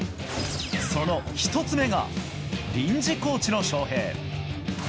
その１つ目が臨時コーチへの招へい。